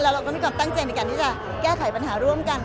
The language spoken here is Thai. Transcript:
เราก็มีความตั้งใจในการที่จะแก้ไขปัญหาร่วมกัน